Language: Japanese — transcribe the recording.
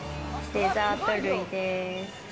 デザート類です。